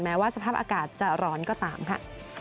ว่าสภาพอากาศจะร้อนก็ตามค่ะ